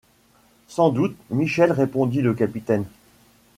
Sans doute, Michel, répondit le capitaine.